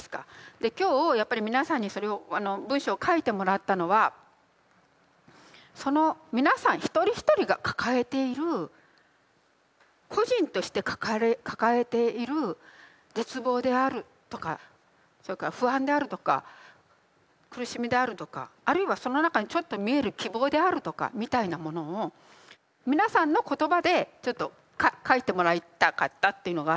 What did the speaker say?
で今日やっぱり皆さんにそれを文章を書いてもらったのはその皆さん一人一人が抱えている個人として抱えている絶望であるとかそれから不安であるとか苦しみであるとかあるいはその中にちょっと見える希望であるとかみたいなものを皆さんの言葉でちょっと書いてもらいたかったというのがあって。